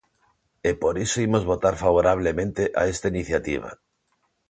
E por iso imos votar favorablemente a esta iniciativa.